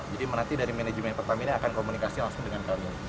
jadi nanti dari manajemen pertamina akan komunikasi langsung dengan kami